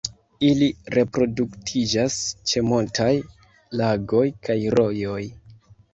Ili reproduktiĝas ĉe montaj lagoj kaj rojoj.